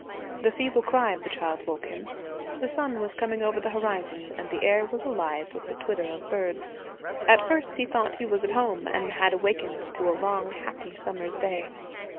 The feeble cry of the child woke him. The sun was coming over the horizon and the air was alive with the twitter of birds. At first he thought he was at home and had awakened to a long happy summer's day.